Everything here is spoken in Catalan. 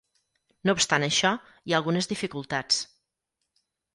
No obstant això, hi ha algunes dificultats.